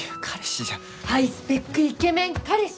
ハイスペックイケメン彼氏！